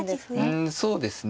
うんそうですね。